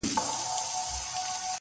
چی هر څوک به په سزا هلته رسېږي٫